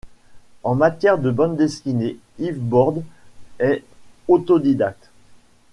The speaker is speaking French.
En matière de bande dessinée, Yves Bordes est autodidacte.